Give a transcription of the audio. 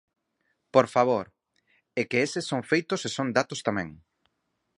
¡Por favor!, é que eses son feitos e son datos tamén.